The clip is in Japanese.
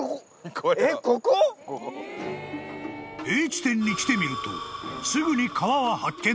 ［Ａ地点に来てみるとすぐに］